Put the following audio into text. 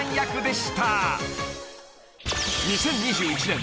［２０２１年。